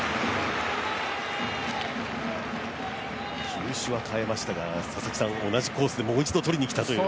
球種は変えましたが同じコースでもう一度取りにきたという。